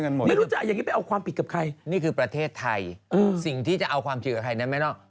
ไม่รู้จะเอาอย่างนี้ไปเอาความผิดกับใครนี่คือประเทศไทยสิ่งที่จะเอาความจริงกับใครนั้นไม่นอก